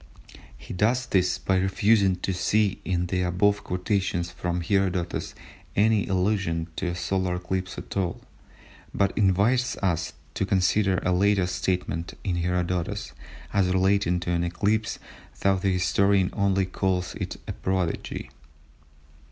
He does this by refusing to see in the above quotations from Herodotus any allusion to a solar eclipse at all, but invites us to consider a later statement in Herodotus as relating to an eclipse though the historian only calls it a prodigy.